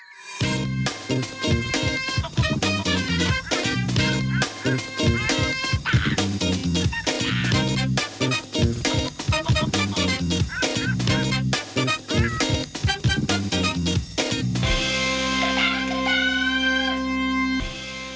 โปรดติดตามตอนต่อไป